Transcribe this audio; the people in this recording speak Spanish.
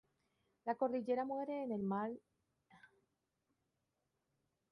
La cordillera muere en el mar de Barents al norte.